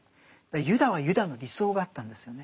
ユダはユダの理想があったんですよね。